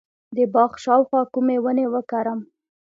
د باغ شاوخوا کومې ونې وکرم؟